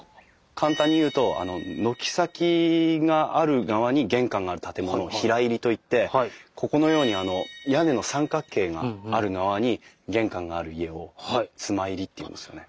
簡単に言うと軒先がある側に玄関がある建物を平入りといってここのように屋根の三角形がある側に玄関がある家を妻入りっていうんですよね。